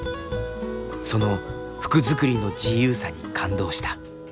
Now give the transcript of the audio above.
その服作りの自由さに感動した。